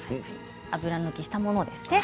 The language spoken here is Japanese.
油抜きしたものですね。